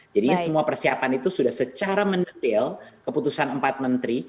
jadinya semua persiapan itu sudah secara mendetail keputusan empat menteri